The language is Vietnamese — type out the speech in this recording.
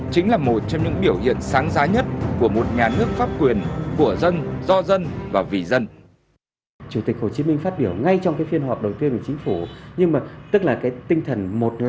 chính là một trong những biểu hiện sáng giá nhất của một nhà nước pháp quyền của dân do dân và vì dân